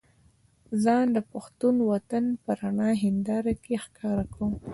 ځان د پښتون وطن په رڼه هينداره کې ښکاره کوم.